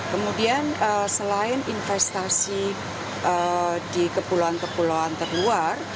kemudian selain investasi di kepulauan kepulauan terluar